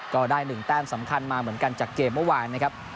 ก็ได้๑แต้มสำคัญมาเหมือนกันจากเกมเมื่อวานนะครับ